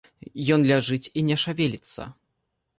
Ён ляжыць і не шавеліцца.